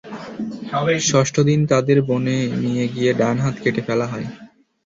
ষষ্ঠ দিন তাঁদের বনে নিয়ে গিয়ে ডান হাত কেটে ফেলা হয়।